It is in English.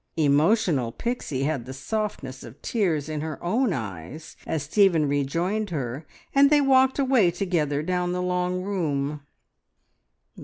Emotional Pixie had the softness of tears in her own eyes as Stephen rejoined her, and they walked away together down the long room.